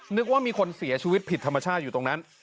นึกว่ามีคนเสียชีวิตผิดธรรมชาติอยู่ตรงนั้น